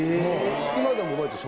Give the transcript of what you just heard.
今でも覚えてる。